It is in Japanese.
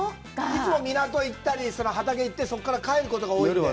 いつも港行ったり、畑に行ってそこから帰ることが多い。